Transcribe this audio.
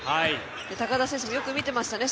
高田選手もよく見てましたね。